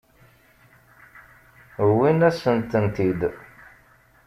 Wwint-asen-tent-id.